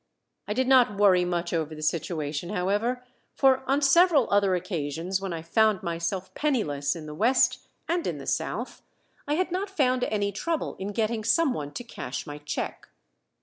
I did not worry much over the situation, however; for on several other occasions when I found myself penniless in the West and in the South I had not found any trouble in getting some one to cash my check.